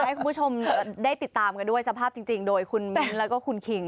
ให้คุณผู้ชมได้ติดตามกันด้วยสภาพจริงโดยคุณมิ้นแล้วก็คุณคิง